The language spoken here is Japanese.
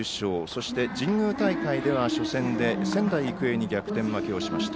そして、神宮大会では初戦で仙台育英に逆転負けしました。